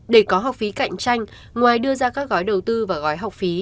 để có học phí cạnh tranh ngoài đưa ra các gói đầu tư và gói học phí